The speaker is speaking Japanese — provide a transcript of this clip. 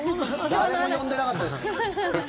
誰も呼んでなかったです